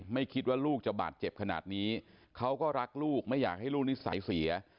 ไม่คิดว่าลูกจะบาดเจ็บขนาดนี้เขาก็รักลูกไม่อยากให้ลูกนิสัยเสีย